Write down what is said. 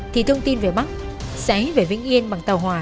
thì thông tin về bắc sẽ về vĩnh yên bằng tàu hòa